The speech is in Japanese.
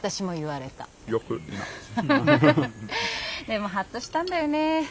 でもハッとしたんだよね。